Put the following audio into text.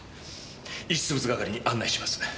遺失物係に案内します。